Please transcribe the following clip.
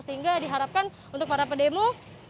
sehingga diharapkan untuk para pendemo